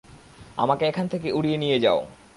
আমাকে এখান থেকে উড়িয়ে নিয়ে যাও।